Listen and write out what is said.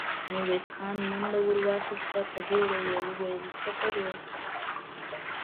ميرويس خان منډه ور واخيسته، په بيړه يې وويل: څه کوئ!